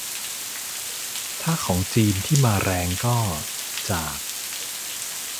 ถ้าของจีนที่มาแรงก็ จาก